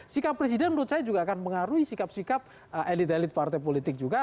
sikap presiden menurut saya juga akan mengaruhi sikap sikap elit elit partai politik juga